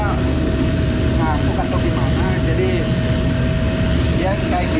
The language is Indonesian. nah jadi dia kayak gini